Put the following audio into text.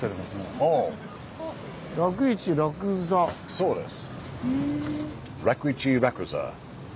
そうです。